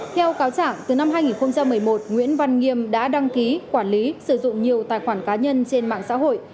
theo cáo chẳng từ năm hai nghìn một mươi một nguyễn văn nghiêm đã đăng ký quản lý sử dụng nhiều tài khoản cá nhân trên mạng xã hội